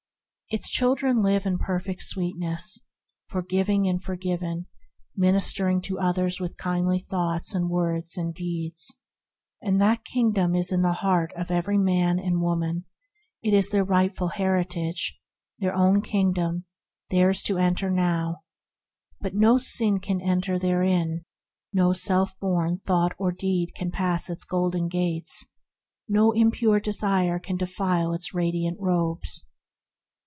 Its children live in perfect sweetness, forgiving and forgiven, ministering to others with kindly thoughts, words, and deeds. That Kingdom is in the heart of every man and woman; it is their rightful heritage, their own Kingdom; theirs to enter now. But no sin can enter therein; no self born thought or deed can pass its Golden Gates; no impure desire can defile its radiant robes.